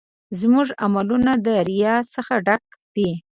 زموږ عملونه د ریا څخه ډک دي.